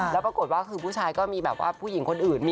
แล้วปรากฏว่าคือผู้ชายก็มีแบบว่าผู้หญิงคนอื่น